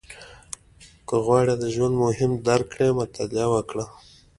• که غواړې د ژوند مفهوم درک کړې، مطالعه وکړه.